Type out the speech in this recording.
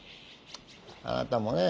あなたもね